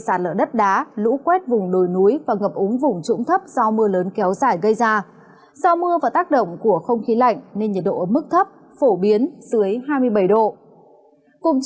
xin chào các bạn